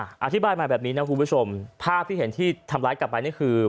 อธิบายมาแบบนี้นะคุณผู้ชมภาพที่เห็นที่ทำร้ายกลับไปนี่คือ